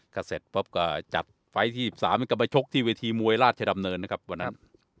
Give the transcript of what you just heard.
ก็เสร็จปุ๊บก็จัดไฟล์ที่๒๓ก็ไปชกที่เวทีมวยราชดำเนินนะครับวันนั้น